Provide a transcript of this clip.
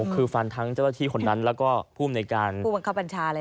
คือฟันทั้งเจ้าหน้าที่คนนั้นแล้วก็ภูมิในการผู้บังคับบัญชาเลย